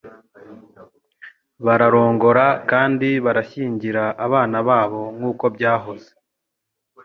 bararongora kandi barashyingira abana babo nk'uko byahoze.